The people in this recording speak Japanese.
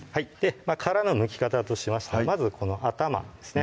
殻のむき方としましてはまずこの頭ですね